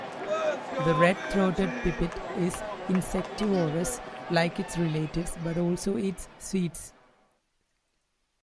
The red-throated pipit is insectivorous, like its relatives, but also eats seeds.